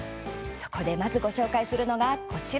そこで、まずご紹介するのがこちら。